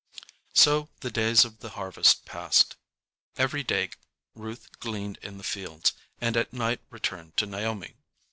So the days of the harvest passed. Every day Ruth gleaned in the fields, and at night returned to Naomi.